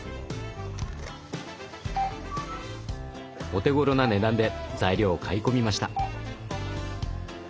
お手ごろな値段で材料を買い込みました。